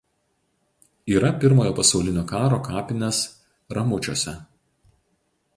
Yra Pirmojo pasaulinio karo kapinės Ramučiuose.